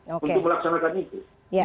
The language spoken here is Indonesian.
untuk melaksanakan itu